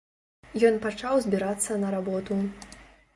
Ён пачаў збірацца на работу.